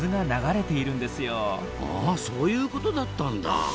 あそういうことだったんだ。